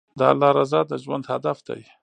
د الله رضا د ژوند هدف دی.